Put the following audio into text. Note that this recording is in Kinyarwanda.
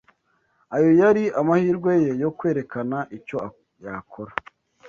Ayo yari amahirwe ye yo kwerekana icyo yakora.